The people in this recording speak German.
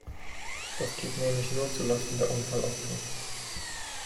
Das geht nämlich nur zu Lasten der Unfallopfer.